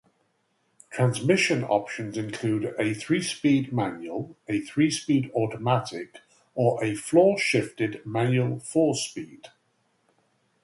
Transmission options included a three-speed manual, a three-speed automatic, or a floor-shifted manual four-speed.